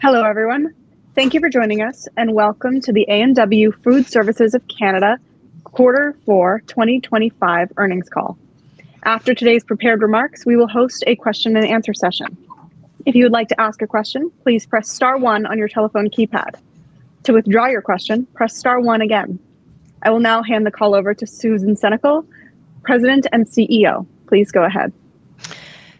Hello, everyone. Thank you for joining us, and welcome to the A&W Food Services of Canada Q4 2025 earnings call. After today's prepared remarks, we will host a question and answer session. If you would like to ask a question, please press star one on your telephone keypad. To withdraw your question, press star one again. I will now hand the call over to Susan Senecal, President and CEO. Please go ahead.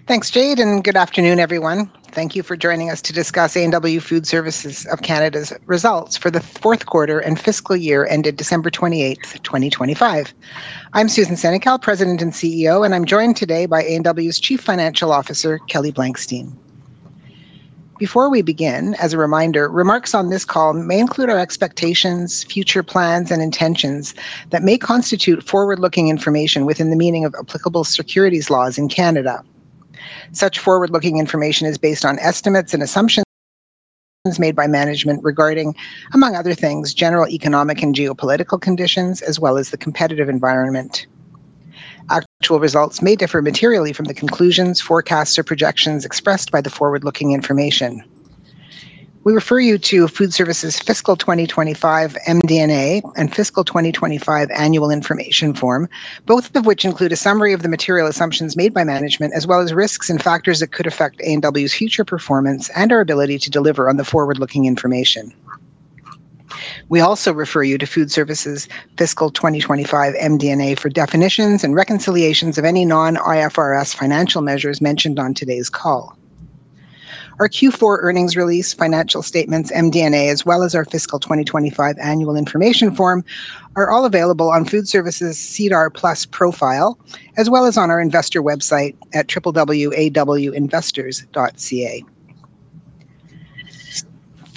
Thanks, Jade, good afternoon, everyone. Thank you for joining us to discuss A&W Food Services of Canada's results for the Q4 and fiscal year ended December 28th, 2025. I'm Susan Senecal, President and CEO, and I'm joined today by A&W's Chief Financial Officer, Kelly Blankstein. Before we begin, as a reminder, remarks on this call may include our expectations, future plans, and intentions that may constitute forward-looking information within the meaning of applicable securities laws in Canada. Such forward-looking information is based on estimates and assumptions made by management regarding, among other things, general economic and geopolitical conditions, as well as the competitive environment. Actual results may differ materially from the conclusions, forecasts, or projections expressed by the forward-looking information. We refer you to Food Services' fiscal 2025 MD&A and fiscal 2025 Annual Information Form, both of which include a summary of the material assumptions made by management, as well as risks and factors that could affect A&W's future performance and our ability to deliver on the forward-looking information. We also refer you to Food Services' fiscal 2025 MD&A for definitions and reconciliations of any non-IFRS financial measures mentioned on today's call. Our Q4 earnings release, financial statements, MD&A, as well as our fiscal 2025 Annual Information Form are all available on Food Services' SEDAR+ profile, as well as on our investor website at www.awinvestors.ca.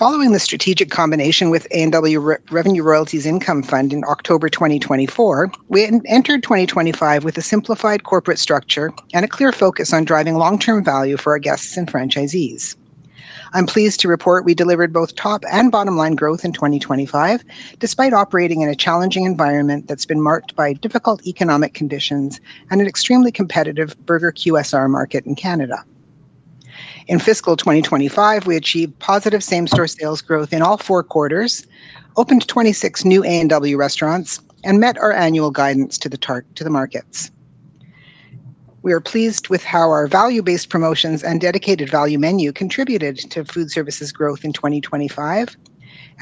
Following the strategic combination with A&W Revenue Royalties Income Fund in October 2024, we entered 2025 with a simplified corporate structure and a clear focus on driving long-term value for our guests and franchisees. I'm pleased to report we delivered both top and bottom line growth in 2025 despite operating in a challenging environment that's been marked by difficult economic conditions and an extremely competitive burger QSR market in Canada. In fiscal 2025, we achieved positive same-store sales growth in all four quarters, opened 26 new A&W restaurants, and met our annual guidance to the markets. We are pleased with how our value-based promotions and dedicated value menu contributed to Food Services growth in 2025.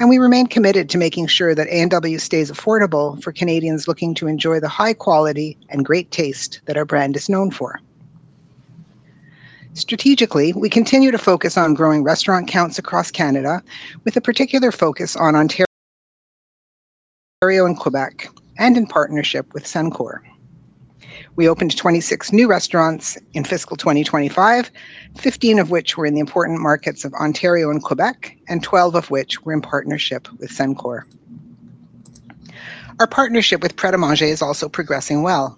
We remain committed to making sure that A&W stays affordable for Canadians looking to enjoy the high quality and great taste that our brand is known for. Strategically, we continue to focus on growing restaurant counts across Canada with a particular focus on Ontario and Quebec, and in partnership with Suncor. We opened 26 new restaurants in fiscal 2025, 15 of which were in the important markets of Ontario and Quebec, and 12 of which were in partnership with Suncor. Our partnership with Pret A Manger is also progressing well.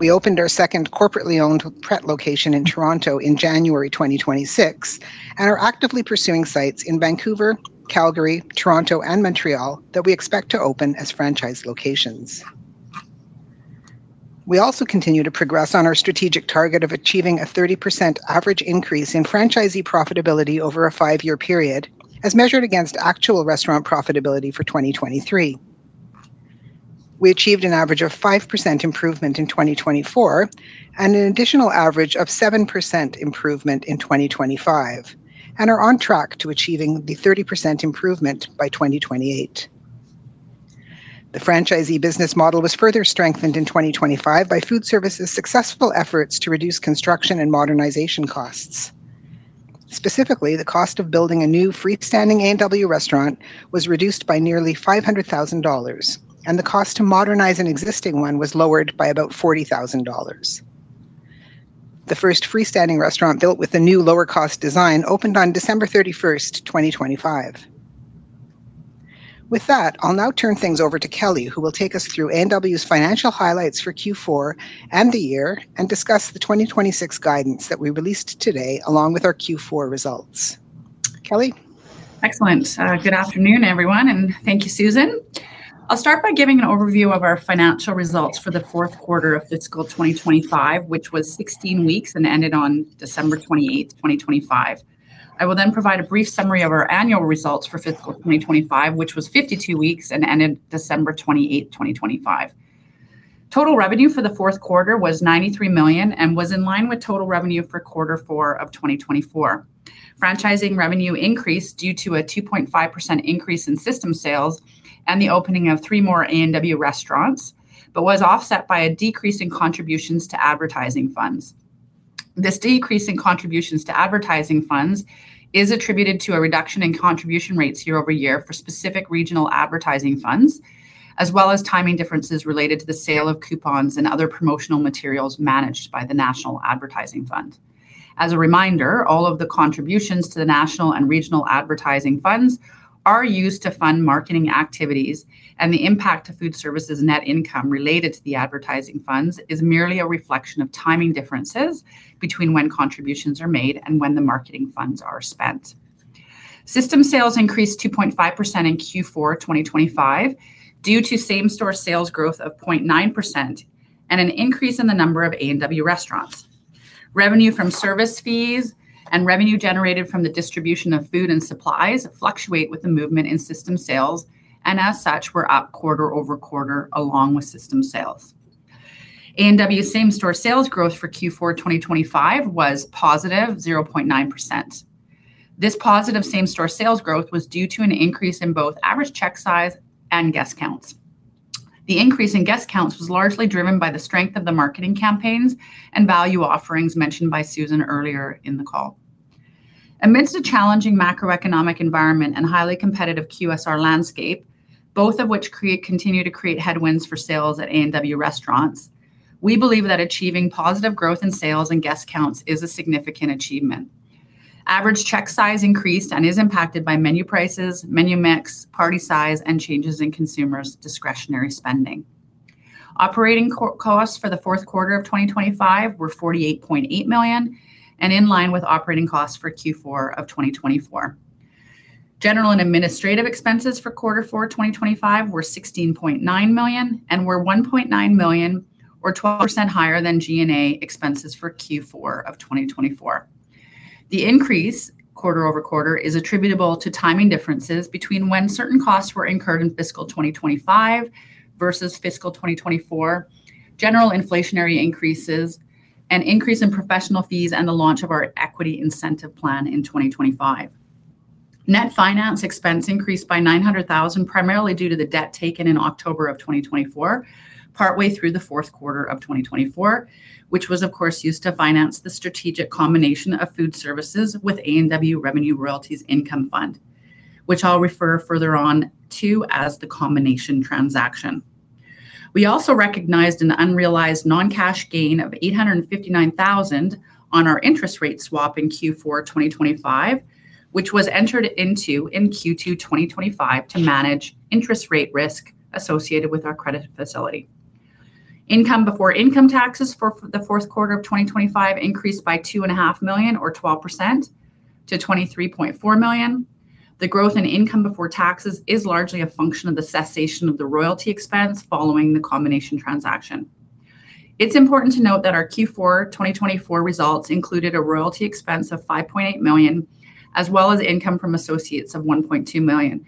We opened our second corporately owned Pret location in Toronto in January 2026 and are actively pursuing sites in Vancouver, Calgary, Toronto, and Montreal that we expect to open as franchise locations. We also continue to progress on our strategic target of achieving a 30% average increase in franchisee profitability over a five-year period, as measured against actual restaurant profitability for 2023. We achieved an average of 5% improvement in 2024 and an additional average of 7% improvement in 2025, and are on track to achieving the 30% improvement by 2028. The franchisee business model was further strengthened in 2025 by Food Services' successful efforts to reduce construction and modernization costs. Specifically, the cost of building a new freestanding A&W restaurant was reduced by nearly 500,000 dollars, and the cost to modernize an existing one was lowered by about 40,000 dollars. The first freestanding restaurant built with the new lower-cost design opened on December 31st, 2025. With that, I'll now turn things over to Kelly, who will take us through A&W's financial highlights for Q4 and the year, and discuss the 2026 guidance that we released today, along with our Q4 results. Kelly? Excellent. good afternoon, everyone, and thank you, Susan. I'll start by giving an overview of our financial results for the Q4 of fiscal 2025, which was 16 weeks and ended on December 28, 2025. I will provide a brief summary of our annual results for fiscal 2025, which was 52 weeks and ended December 28, 2025. Total revenue for the Q4 was 93 million and was in line with total revenue for Q4 of 2024. Franchising revenue increased due to a 2.5% increase in system sales and the opening of three more A&W restaurants but was offset by a decrease in contributions to advertising funds. This decrease in contributions to advertising funds is attributed to a reduction in contribution rates year-over-year for specific regional advertising funds, as well as timing differences related to the sale of coupons and other promotional materials managed by the National Advertising Fund. As a reminder, all of the contributions to the national and regional advertising funds are used to fund marketing activities, and the impact to Food Services net income related to the advertising funds is merely a reflection of timing differences between when contributions are made and when the marketing funds are spent. System sales increased 2.5% in Q4 2025 due to same-store sales growth of 0.9%. An increase in the number of A&W restaurants. Revenue from service fees and revenue generated from the distribution of food and supplies fluctuate with the movement in system sales. As such, we're up quarter-over-quarter along with system sales. A&W same-store sales growth for Q4 2025 was positive 0.9%. This positive same-store sales growth was due to an increase in both average check size and guest counts. The increase in guest counts was largely driven by the strength of the marketing campaigns and value offerings mentioned by Susan earlier in the call. Amidst a challenging macroeconomic environment and highly competitive QSR landscape, both of which continue to create headwinds for sales at A&W restaurants, we believe that achieving positive growth in sales and guest counts is a significant achievement. Average check size increased and is impacted by menu prices, menu mix, party size, and changes in consumers' discretionary spending. Operating costs for the Q4 of 2025 were 48.8 million and in line with operating costs for Q4 of 2024. General and administrative expenses for Q4 2025 were 16.9 million and were 1.9 million or 12% higher than G&A expenses for Q4 of 2024. The increase, quarter-over-quarter, is attributable to timing differences between when certain costs were incurred in fiscal 2025 versus fiscal 2024, general inflationary increases, an increase in professional fees, and the launch of our equity incentive plan in 2025. Net finance expense increased by 900,000, primarily due to the debt taken in October of 2024, partway through the Q4 of 2024, which was, of course, used to finance the strategic combination of Food Services with A&W Revenue Royalties Income Fund, which I'll refer further on to as the combination transaction. We also recognized an unrealized non-cash gain of 859,000 on our interest rate swap in Q4 2025, which was entered into in Q2 2025 to manage interest rate risk associated with our credit facility. Income before income taxes for the Q4 of 2025 increased by two and a half million or 12% to 23.4 million. The growth in income before taxes is largely a function of the cessation of the royalty expense following the combination transaction. It's important to note that our Q4 2024 results included a royalty expense of 5.8 million, as well as income from associates of 1.2 million,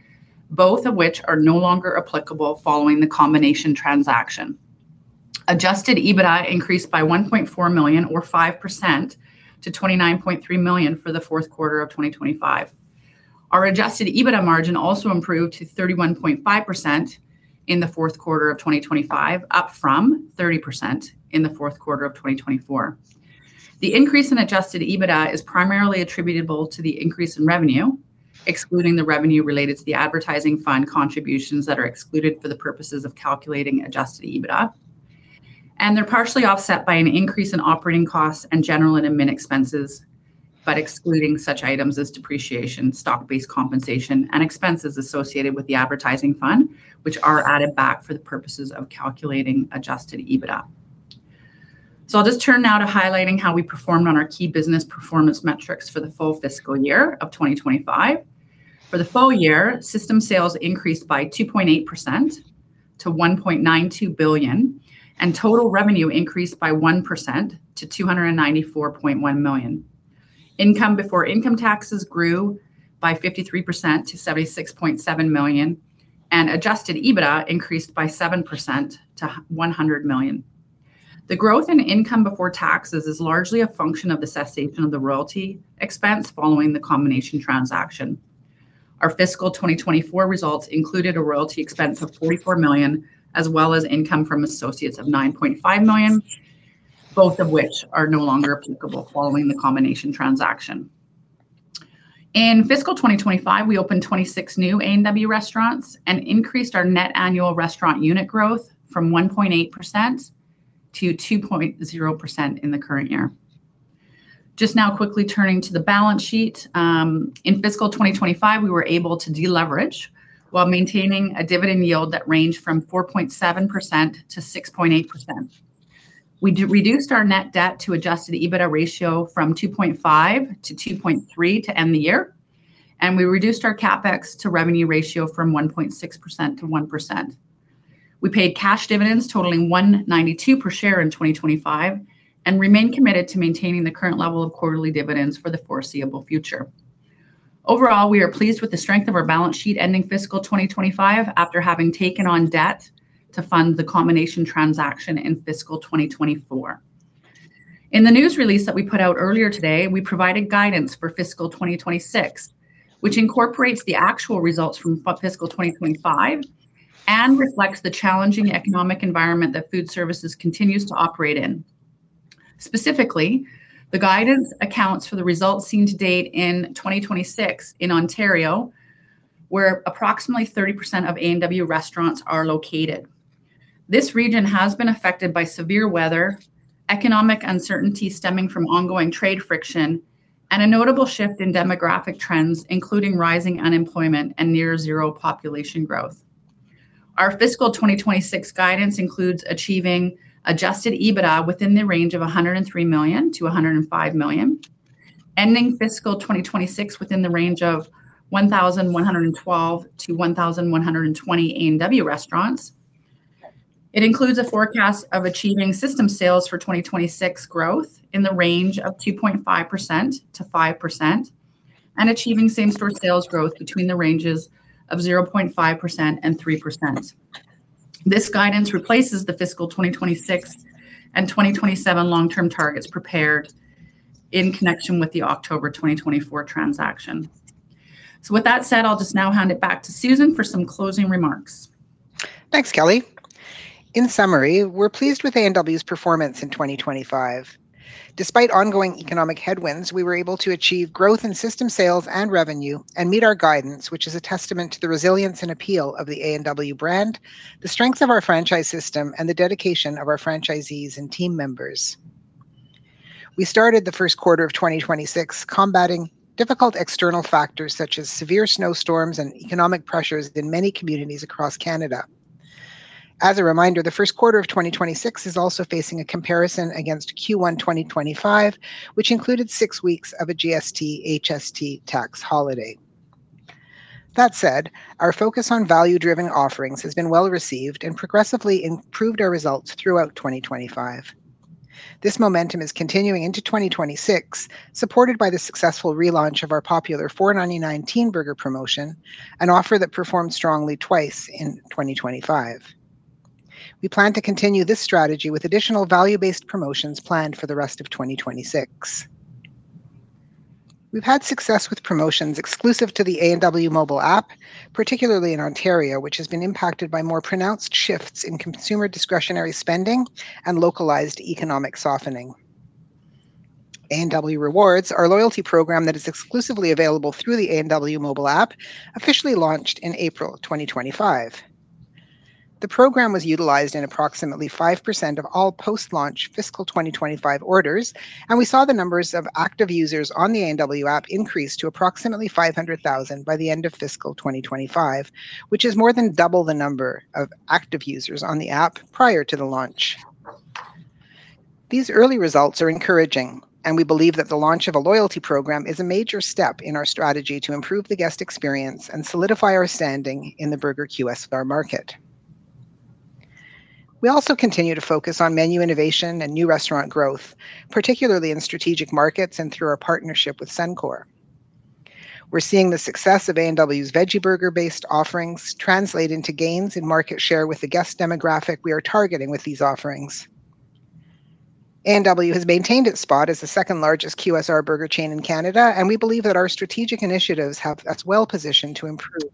both of which are no longer applicable following the combination transaction. Adjusted EBITDA increased by 1.4 million or 5% to 29.3 million for the Q4 of 2025. Our Adjusted EBITDA margin also improved to 31.5% in the Q4 of 2025, up from 30% in the Q4 of 2024. The increase in Adjusted EBITDA is primarily attributable to the increase in revenue, excluding the revenue related to the advertising fund contributions that are excluded for the purposes of calculating Adjusted EBITDA. They're partially offset by an increase in operating costs and general and admin expenses, but excluding such items as depreciation, stock-based compensation, and expenses associated with the advertising fund, which are added back for the purposes of calculating Adjusted EBITDA. I'll just turn now to highlighting how we performed on our key business performance metrics for the full fiscal year of 2025. For the full year, system sales increased by 2.8% to 1.92 billion, and total revenue increased by 1% to 294.1 million. Income before income taxes grew by 53% to 76.7 million, and Adjusted EBITDA increased by 7% to 100 million. The growth in income before taxes is largely a function of the cessation of the royalty expense following the combination transaction. Our fiscal 2024 results included a royalty expense of 44 million, as well as income from associates of 9.5 million, both of which are no longer applicable following the combination transaction. In fiscal 2025, we opened 26 new A&W restaurants and increased our net annual restaurant unit growth from 1.8% to 2.0% in the current year. Quickly turning to the balance sheet, in fiscal 2025, we were able to deleverage while maintaining a dividend yield that ranged from 4.7% to 6.8%. We reduced our net debt to Adjusted EBITDA ratio from 2.5 to 2.3 to end the year, and we reduced our CapEx to revenue ratio from 1.6% to 1%. We paid cash dividends totaling 1.92 per share in 2025 and remain committed to maintaining the current level of quarterly dividends for the foreseeable future. Overall, we are pleased with the strength of our balance sheet ending fiscal 2025 after having taken on debt to fund the combination transaction in fiscal 2024. In the news release that we put out earlier today, we provided guidance for fiscal 2026, which incorporates the actual results from fiscal 2025 and reflects the challenging economic environment that Food Services continues to operate in. Specifically, the guidance accounts for the results seen to date in 2026 in Ontario, where approximately 30% of A&W restaurants are located. This region has been affected by severe weather, economic uncertainty stemming from ongoing trade friction, and a notable shift in demographic trends, including rising unemployment and near zero population growth. Our fiscal 2026 guidance includes achieving Adjusted EBITDA within the range of $103 million-$105 million. Ending fiscal 2026 within the range of 1,112-1,120 A&W restaurants. It includes a forecast of achieving System Sales for 2026 growth in the range of 2.5%-5%, and achieving Same-Store Sales growth between the ranges of 0.5% and 3%. This guidance replaces the fiscal 2026 and 2027 long-term targets prepared in connection with the October 2024 transaction. With that said, I'll just now hand it back to Susan for some closing remarks. Thanks, Kelly. In summary, we're pleased with A&W's performance in 2025. Despite ongoing economic headwinds, we were able to achieve growth in system sales and revenue and meet our guidance, which is a testament to the resilience and appeal of the A&W brand, the strength of our franchise system, and the dedication of our franchisees and team members. We started the Q1 of 2026 combating difficult external factors such as severe snowstorms and economic pressures in many communities across Canada. As a reminder, the Q1 of 2026 is also facing a comparison against Q1 2025, which included six weeks of a GST/HST tax holiday. That said, our focus on value-driven offerings has been well-received and progressively improved our results throughout 2025. This momentum is continuing into 2026, supported by the successful relaunch of our popular 4.99 Teen Burger promotion, an offer that performed strongly twice in 2025. We plan to continue this strategy with additional value-based promotions planned for the rest of 2026. We've had success with promotions exclusive to the A&W mobile app, particularly in Ontario, which has been impacted by more pronounced shifts in consumer discretionary spending and localized economic softening. A&W Rewards, our loyalty program that is exclusively available through the A&W mobile app, officially launched in April 2025. The program was utilized in approximately 5% of all post-launch fiscal 2025 orders. We saw the numbers of active users on the A&W app increase to approximately 500,000 by the end of fiscal 2025, which is more than double the number of active users on the app prior to the launch. These early results are encouraging. We believe that the launch of a loyalty program is a major step in our strategy to improve the guest experience and solidify our standing in the burger QSR market. We also continue to focus on menu innovation and new restaurant growth, particularly in strategic markets and through our partnership with Suncor. We're seeing the success of A&W's veggie burger-based offerings translate into gains in market share with the guest demographic we are targeting with these offerings. A&W has maintained its spot as the second-largest QSR burger chain in Canada, and we believe that our strategic initiatives have us well-positioned to improve.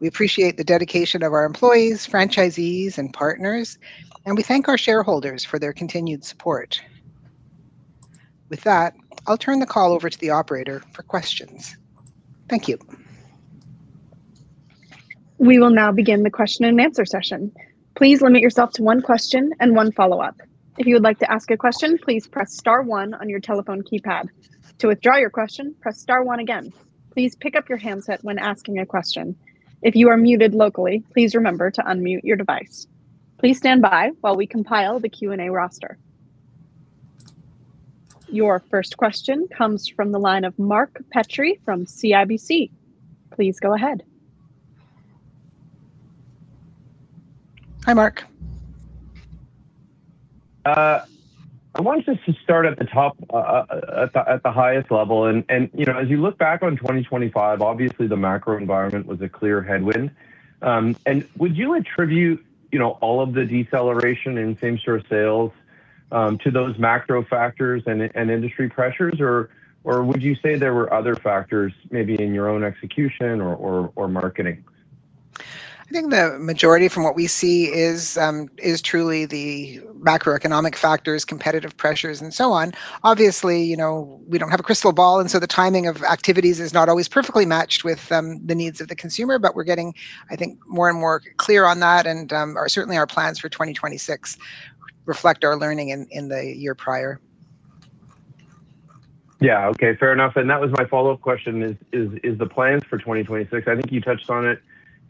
We appreciate the dedication of our employees, franchisees, and partners, and we thank our shareholders for their continued support. With that, I'll turn the call over to the operator for questions. Thank you. We will now begin the question-and-answer session. Please limit yourself to one question and one follow-up. If you would like to ask a question, please press star one on your telephone keypad. To withdraw your question, press star one again. Please pick up your handset when asking a question. If you are muted locally, please remember to unmute your device. Please stand by while we compile the Q&A roster. Your first question comes from the line of Mark Petrie from CIBC. Please go ahead. Hi, Mark. I wanted just to start at the top, at the highest level. You know, as you look back on 2025, obviously the macro environment was a clear headwind. Would you attribute, you know, all of the deceleration in same-store sales, to those macro factors and industry pressures or would you say there were other factors maybe in your own execution or marketing? I think the majority from what we see is truly the macroeconomic factors, competitive pressures, and so on. Obviously, you know, we don't have a crystal ball, the timing of activities is not always perfectly matched with the needs of the consumer. We're getting, I think, more and more clear on that and certainly our plans for 2026 reflect our learning in the year prior. Yeah. Okay. Fair enough. That was my follow-up question, is the plans for 2026. I think you touched on it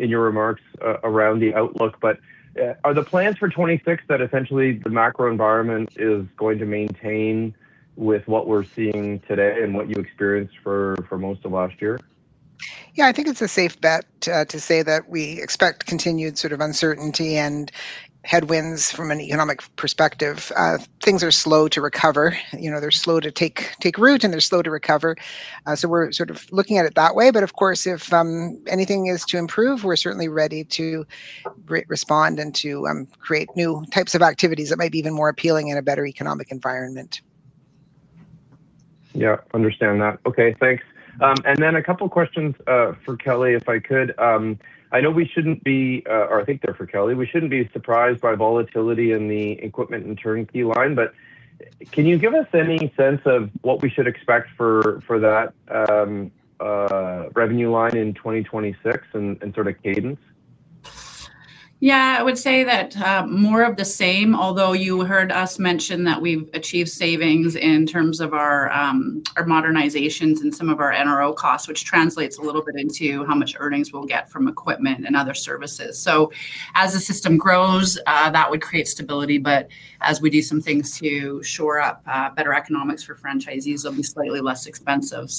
in your remarks around the outlook, but are the plans for 2026 that essentially the macro environment is going to maintain with what we're seeing today and what you experienced for most of last year? I think it's a safe bet to say that we expect continued sort of uncertainty and headwinds from an economic perspective. Things are slow to recover. You know, they're slow to take root, and they're slow to recover, we're sort of looking at it that way. Of course, if anything is to improve, we're certainly ready to re-respond and to create new types of activities that might be even more appealing in a better economic environment. Yeah. Understand that. Okay, thanks. Then a couple questions for Kelly, if I could. I know we shouldn't be or I think they're for Kelly. We shouldn't be surprised by volatility in the equipment and turnkey line, but can you give us any sense of what we should expect for that revenue line in 2026 and sort of cadence? Yeah, I would say that, more of the same, although you heard us mention that we've achieved savings in terms of our modernizations and some of our NRO costs, which translates a little bit into how much earnings we'll get from equipment and other services. As the system grows, that would create stability. As we do some things to shore up, better economics for franchisees, they'll be slightly less expensive.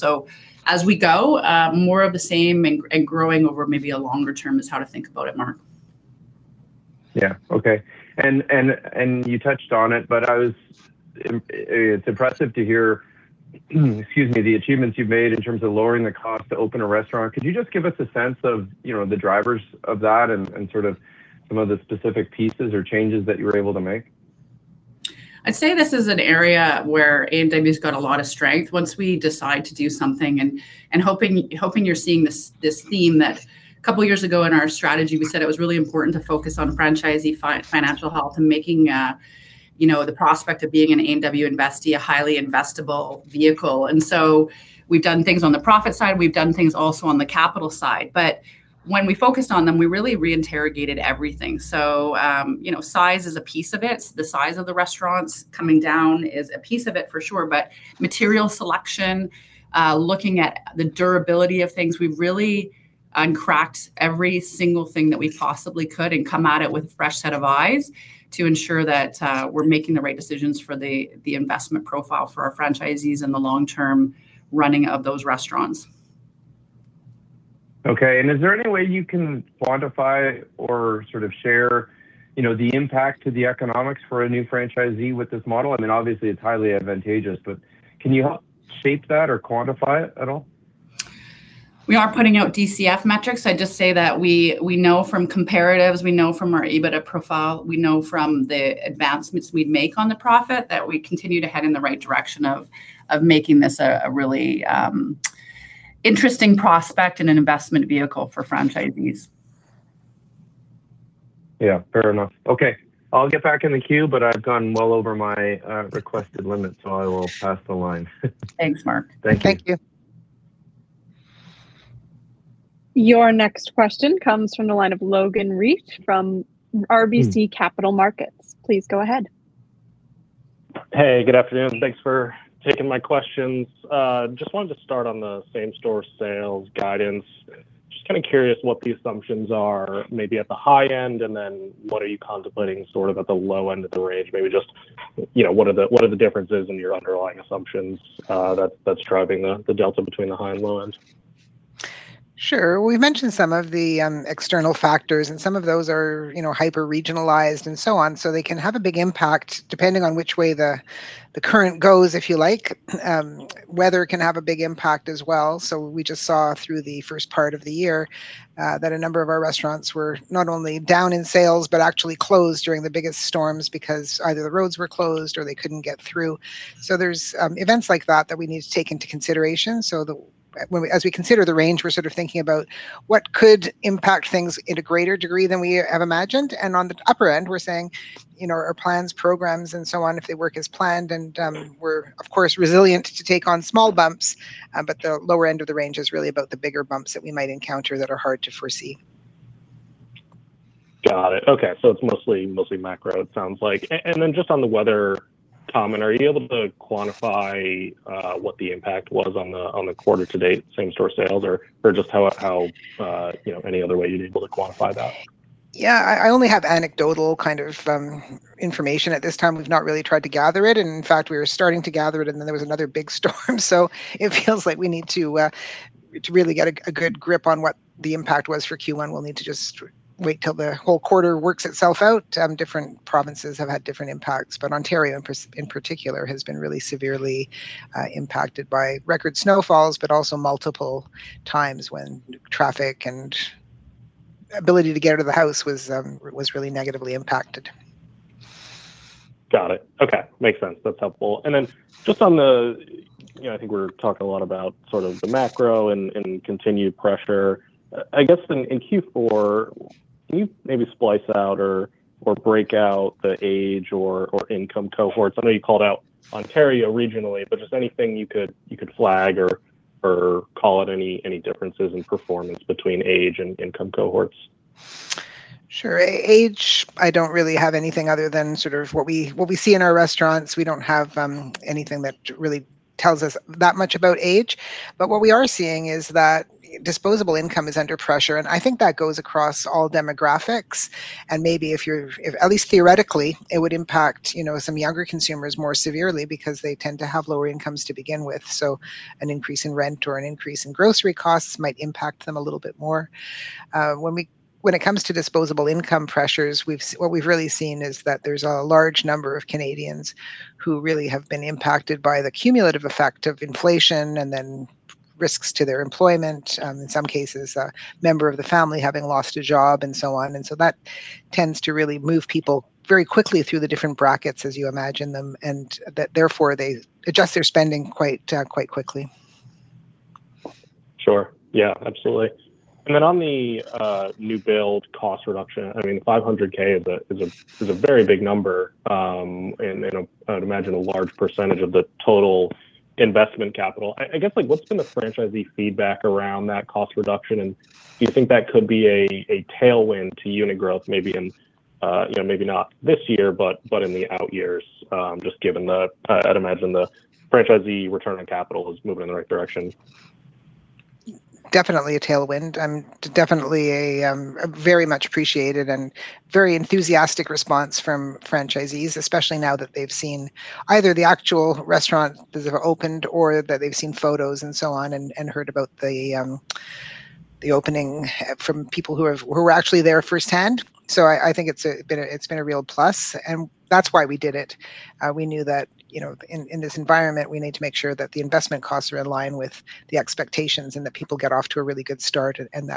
As we go, more of the same and growing over maybe a longer term is how to think about it, Mark. Yeah. Okay. You touched on it. It's impressive to hear, excuse me, the achievements you've made in terms of lowering the cost to open a restaurant. Could you just give us a sense of, you know, the drivers of that and sort of some of the specific pieces or changes that you were able to make? I'd say this is an area where A&W's got a lot of strength once we decide to do something and hoping you're seeing this theme that a couple years ago in our strategy, we said it was really important to focus on franchisee financial health and making, you know, the prospect of being an A&W investee a highly investible vehicle. We've done things on the profit side, we've done things also on the capital side. When we focused on them, we really reinterrogated everything. You know, size is a piece of it. The size of the restaurants coming down is a piece of it for sure. Material selection, looking at the durability of things, we've really uncracked every single thing that we possibly could and come at it with a fresh set of eyes to ensure that, we're making the right decisions for the investment profile for our franchisees and the long-term running of those restaurants. Okay. Is there any way you can quantify or sort of share, you know, the impact to the economics for a new franchisee with this model? I mean, obviously it's highly advantageous, but can you help shape that or quantify it at all? We are putting out DCF metrics. I'd just say that we know from comparatives, we know from our EBITDA profile, we know from the advancements we make on the profit that we continue to head in the right direction of making this a really interesting prospect and an investment vehicle for franchisees. Yeah. Fair enough. Okay. I'll get back in the queue, but I've gone well over my requested limit, so I will pass the line. Thanks, Mark. Thank you. Thank you. Your next question comes from the line of Logan Reich from RBC Capital Markets. Please go ahead. Hey, good afternoon. Thanks for taking my questions. Just wanted to start on the same-store sales guidance. Just kind of curious what the assumptions are maybe at the high end, and then what are you contemplating sort of at the low end of the range. Maybe just, you know, what are the differences in your underlying assumptions that's driving the delta between the high and low end? Sure. We mentioned some of the external factors. Some of those are, you know, hyper regionalized and so on. They can have a big impact depending on which way the current goes, if you like. Weather can have a big impact as well. We just saw through the first part of the year that a number of our restaurants were not only down in sales, but actually closed during the biggest storms because either the roads were closed or they couldn't get through. There's events like that that we need to take into consideration. As we consider the range, we're sort of thinking about what could impact things at a greater degree than we have imagined. On the upper end, we're saying, you know, our plans, programs and so on, if they work as planned and, we're of course, resilient to take on small bumps. The lower end of the range is really about the bigger bumps that we might encounter that are hard to foresee. Got it. Okay. It's mostly macro it sounds like. Then just on the weather, Tom, are you able to quantify what the impact was on the quarter to date, same-store sales or just how, you know, any other way you're able to quantify that? Yeah. I only have anecdotal kind of information at this time. We've not really tried to gather it, and in fact, we were starting to gather it, and then there was another big storm. It feels like we need to really get a good grip on what the impact was for Q1, we'll need to just wait till the whole quarter works itself out. Different provinces have had different impacts, Ontario in particular, has been really severely impacted by record snowfalls, but also multiple times when traffic and ability to get out of the house was really negatively impacted. Got it. Okay. Makes sense. That's helpful. Then just on the, you know, I think we're talking a lot about sort of the macro and continued pressure. I guess in Q4, can you maybe splice out or break out the age or income cohorts? I know you called out Ontario regionally, just anything you could flag or call out any differences in performance between age and income cohorts? Sure. Age, I don't really have anything other than sort of what we see in our restaurants. We don't have anything that really tells us that much about age. What we are seeing is that disposable income is under pressure, and I think that goes across all demographics. Maybe if at least theoretically, it would impact, you know, some younger consumers more severely because they tend to have lower incomes to begin with. An increase in rent or an increase in grocery costs might impact them a little bit more. When it comes to disposable income pressures, what we've really seen is that there's a large number of Canadians who really have been impacted by the cumulative effect of inflation and then risks to their employment, in some cases, a member of the family having lost a job and so on. That tends to really move people very quickly through the different brackets as you imagine them, and that therefore they adjust their spending quite quickly. Sure. Yeah, absolutely. Then on the new build cost reduction, I mean, 500K is a very big number, and I'd imagine a large percentage of the total investment capital. I guess, like, what's been the franchisee feedback around that cost reduction? Do you think that could be a tailwind to unit growth maybe in, you know, maybe not this year, but in the out years, just given the... I'd imagine the franchisee return on capital is moving in the right direction. Definitely a tailwind and definitely a very much appreciated and very enthusiastic response from franchisees, especially now that they've seen either the actual restaurant that opened or that they've seen photos and so on, and heard about the opening from people who were actually there firsthand. I think it's been a real plus, and that's why we did it. We knew that, you know, in this environment, we need to make sure that the investment costs are in line with the expectations and that people get off to a really good start and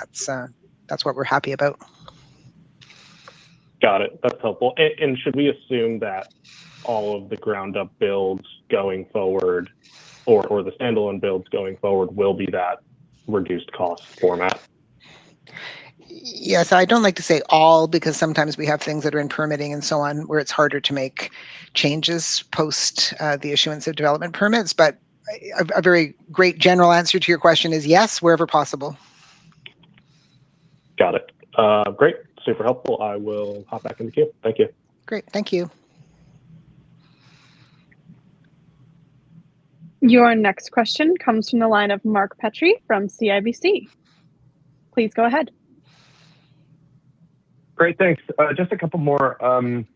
that's what we're happy about. Got it. That's helpful. Should we assume that all of the ground-up builds going forward or the standalone builds going forward will be that reduced cost format? Yes. I don't like to say all because sometimes we have things that are in permitting and so on, where it's harder to make changes post the issuance of development permits. A very great general answer to your question is yes, wherever possible. Got it. Great. Super helpful. I will hop back in the queue. Thank you. Great. Thank you. Your next question comes from the line of Mark Petrie from CIBC. Please go ahead. Great. Thanks. Just a couple more. On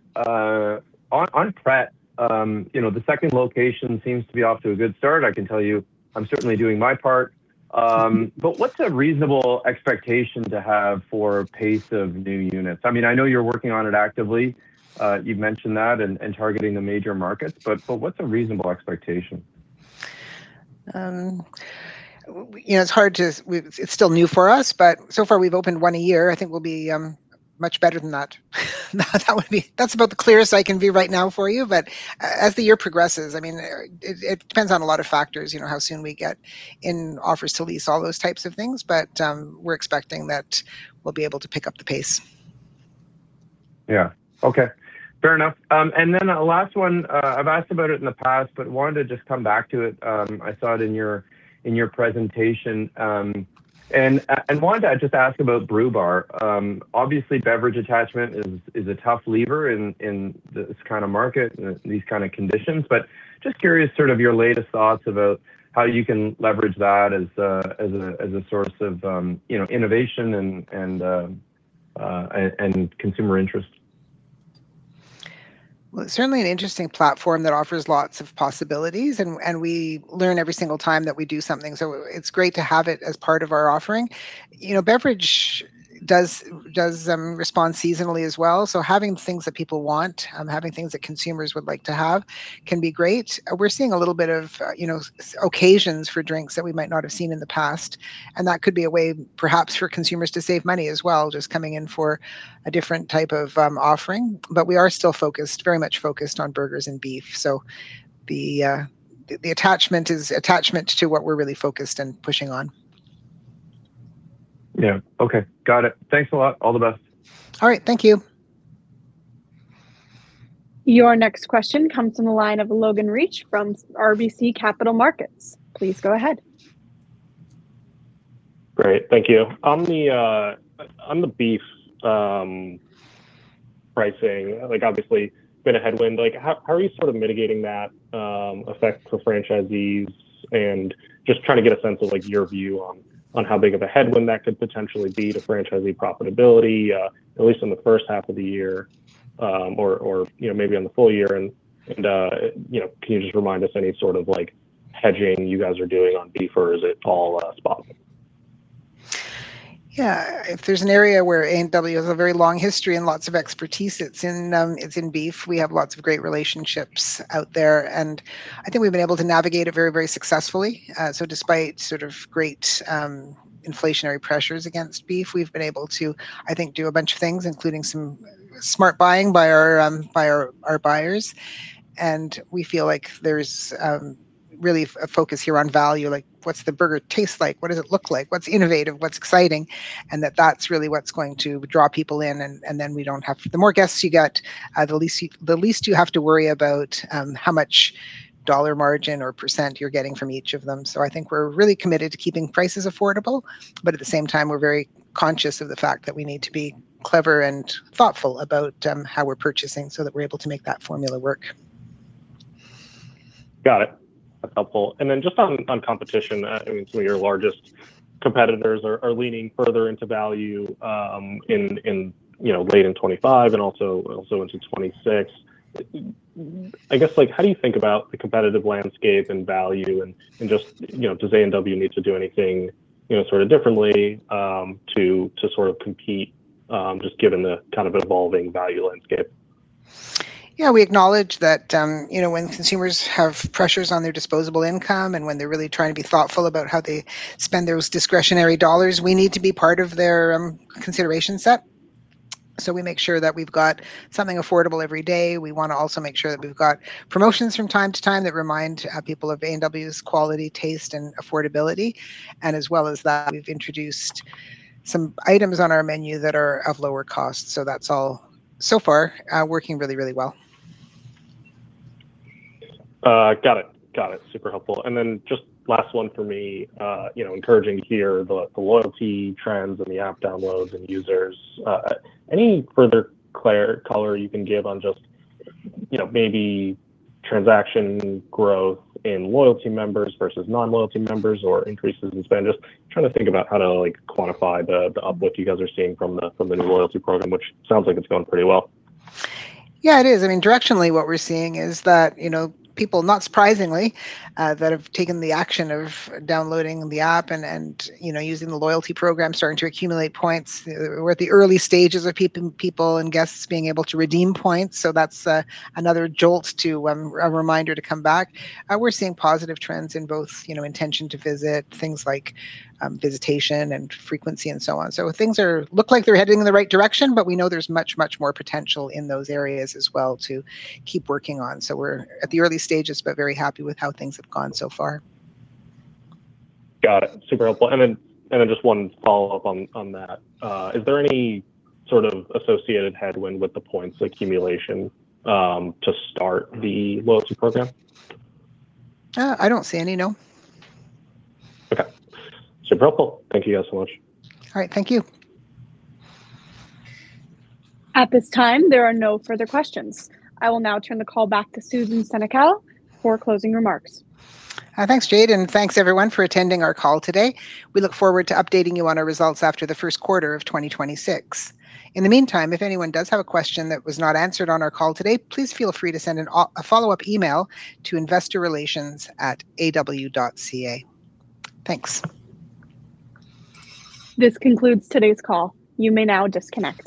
Pret, you know, the second location seems to be off to a good start. I can tell you I'm certainly doing my part. What's a reasonable expectation to have for pace of new units? I mean, I know you're working on it actively, you've mentioned that and targeting the major markets, but what's a reasonable expectation? You know, it's hard to. It's still new for us, but so far we've opened one a year. I think we'll be much better than that. That's about the clearest I can be right now for you. As the year progresses, I mean, it depends on a lot of factors, you know, how soon we get in offers to lease, all those types of things. We're expecting that we'll be able to pick up the pace. Yeah. Okay. Fair enough. A last one, I've asked about it in the past, but wanted to just come back to it. I saw it in your presentation, wanted to just ask about Brew Bar. Obviously beverage attachment is a tough lever in this kind of market and these kind of conditions, but just curious sort of your latest thoughts about how you can leverage that as a source of, you know, innovation and consumer interest. It's certainly an interesting platform that offers lots of possibilities and we learn every single time that we do something, so it's great to have it as part of our offering. You know, beverage does respond seasonally as well, so having things that people want, having things that consumers would like to have can be great. We're seeing a little bit of, you know, occasions for drinks that we might not have seen in the past, and that could be a way perhaps for consumers to save money as well, just coming in for a different type of offering. We are still focused, very much focused on burgers and beef, so the attachment is to what we're really focused and pushing on. Yeah. Okay. Got it. Thanks a lot. All the best. All right. Thank you. Your next question comes from the line of Logan Reich from RBC Capital Markets. Please go ahead. Great. Thank you. On the, on the beef, pricing, like obviously been a headwind, like how are you sort of mitigating that effect for franchisees? Just trying to get a sense of like your view on how big of a headwind that could potentially be to franchisee profitability, at least in the first half of the year, or, you know, maybe on the full year. Can you just remind us any sort of like hedging you guys are doing on beef, or is it all spot? Yeah. If there's an area where A&W has a very long history and lots of expertise, it's in, it's in beef. We have lots of great relationships out there, and I think we've been able to navigate it very, very successfully. Despite sort of great inflationary pressures against beef, we've been able to, I think, do a bunch of things, including some smart buying by our buyers. We feel like there's really a focus here on value, like what's the burger taste like, what does it look like, what's innovative, what's exciting, and that that's really what's going to draw people in, and then we don't have... The more guests you get, the least you have to worry about how much dollar margin or % you're getting from each of them. I think we're really committed to keeping prices affordable, but at the same time, we're very conscious of the fact that we need to be clever and thoughtful about how we're purchasing so that we're able to make that formula work. Got it. That's helpful. Just on competition, I mean, some of your largest competitors are leaning further into value, in, you know, late in 2025 and also into 2026. I guess, like, how do you think about the competitive landscape and value and just, you know, does A&W need to do anything, you know, sort of differently, to sort of compete, just given the kind of evolving value landscape? We acknowledge that, you know, when consumers have pressures on their disposable income and when they're really trying to be thoughtful about how they spend those discretionary dollars, we need to be part of their consideration set. We make sure that we've got something affordable every day. We wanna also make sure that we've got promotions from time to time that remind people of A&W's quality, taste, and affordability. As well as that, we've introduced some items on our menu that are of lower cost. So far, working really, really well. Got it. Got it. Super helpful. Just last one for me, you know, encouraging to hear the loyalty trends and the app downloads and users. Any further color you can give on just, you know, maybe transaction growth in loyalty members versus non-loyalty members or increases in spend? Just trying to think about how to, like, quantify the uplift you guys are seeing from the, from the new loyalty program, which sounds like it's going pretty well. Yeah, it is. I mean, directionally, what we're seeing is that, you know, people, not surprisingly, that have taken the action of downloading the app and, you know, using the loyalty program, starting to accumulate points. We're at the early stages of people and guests being able to redeem points, so that's another jolt to... a reminder to come back. We're seeing positive trends in both, you know, intention to visit, things like, visitation and frequency and so on. Things look like they're heading in the right direction, but we know there's much, much more potential in those areas as well to keep working on. We're at the early stages, but very happy with how things have gone so far. Got it. Super helpful. Then just one follow-up on that. Is there any sort of associated headwind with the points accumulation to start the loyalty program? I don't see any, no. Okay. Super helpful. Thank you guys so much. All right. Thank you. At this time, there are no further questions. I will now turn the call back to Susan Senecal for closing remarks. Thanks Jade, and thanks everyone for attending our call today. We look forward to updating you on our results after the Q1 of 2026. In the meantime, if anyone does have a question that was not answered on our call today, please feel free to send a follow-up email to investorrelations@aw.ca. Thanks. This concludes today's call. You may now disconnect.